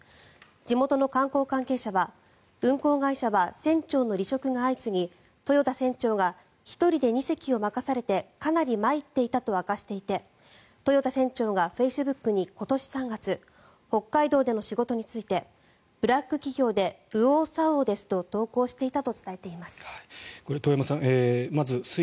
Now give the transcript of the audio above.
地元の観光関係者は運航会社は船長の離職が相次ぎ豊田船長が１人で２隻を任されてかなり参っていたと明かしていて豊田船長がフェイスブックに今年３月北海道での仕事についてブラック企業で右往左往ですと投稿していたと伝えています。